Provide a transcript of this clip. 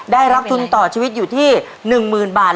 ได้รับทุนต่อชีวิตอยู่ที่๑๐๐๐บาท